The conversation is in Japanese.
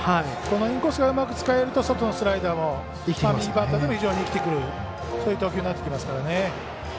インコースがうまく使えると外のスライダーが右バッターでも非常にいきてくる投球になってきますからね。